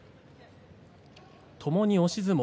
ともに押し相撲。